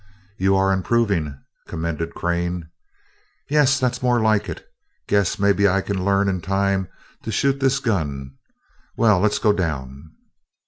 "You are improving," commended Crane. "Yeah that's more like it. Guess maybe I can learn in time to shoot this gun. Well, let's go down."